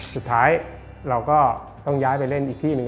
สุดท้ายเราก็ต้องย้ายไปเล่นอีกที่หนึ่ง